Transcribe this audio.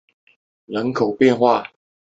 后出任凤翔府知府。